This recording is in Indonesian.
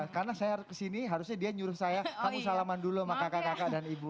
karena saya kesini harusnya dia nyuruh saya kamu salaman dulu sama kakak kakak dan ibu